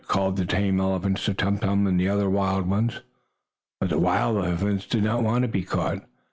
called the tame elephants to Tum Tum, and the other wild ones. But the wild elephants did not want to be caught.